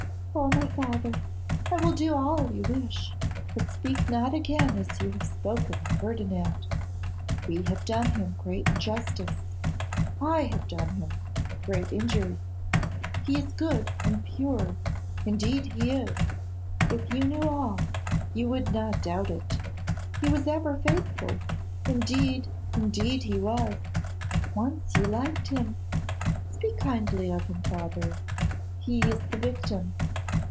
'Oh! my father, I will do all you wish; but speak not again as you have spoken of Ferdinand. We have done him great injustice; I have done him great injury. He is good and pure; indeed, he is; if you knew all, you would not doubt it. He was ever faithful; indeed, indeed he was. Once you liked him. Speak kindly of him, father. He is the victim.